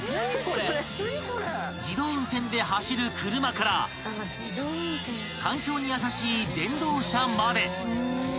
［自動運転で走る車から環境に優しい電動車まで］